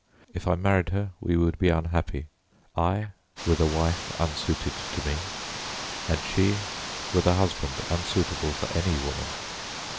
If I married her we would be unhappy. I with a wife unsuited to me, and she with a husband unsuitable for any woman.